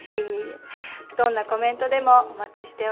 どんなコメントでもお待ちしております。